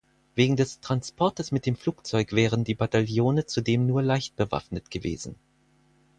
Wegen des Transportes mit dem Flugzeug wären die Bataillone zudem nur leicht bewaffnet gewesen.